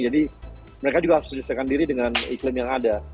jadi mereka juga harus menyelesaikan diri dengan iklim yang ada